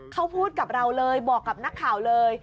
เขาพูดกับเราเลยบอกกับนักข่าวเลย